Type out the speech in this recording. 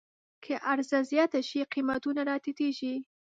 که عرضه زیاته شي، قیمتونه راټیټېږي.